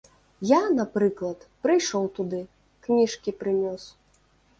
Я, напрыклад, прыйшоў туды, кніжкі прынёс.